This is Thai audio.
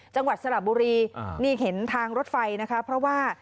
จังหวัดสระบุรีนี่เห็นทางรถไฟนะคะเพราะว่า